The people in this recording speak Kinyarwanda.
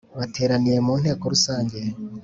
Bateraniye mu nteko rusange